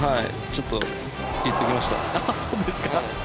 ちょっと言っておきました。